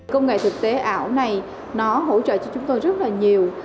công nghệ thực tế ảo này nó hỗ trợ cho chúng tôi rất là nhiều